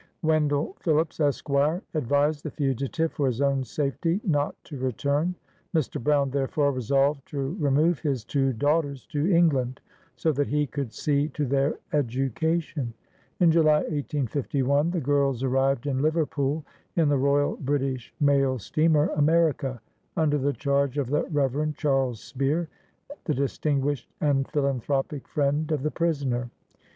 Wen dell Phillips, Esq., advised the fugitive, for his own safety, not to return. Mr. Brown therefore resolved to remove his two daughters to England, so that he could see to their education. In July, 1851, the girls arrived in Liverpool, in the Royal British Mail Steamer "America/'' under the charge of the Rev. Charles Spear, the distinguished and philanthropic friend of the prisoner.